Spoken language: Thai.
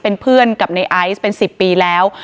เป็นเพื่อนกับในไอซ์เป็น๑๐ปีแล้ว